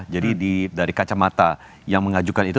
jadi dari kacamata yang mengajukan itu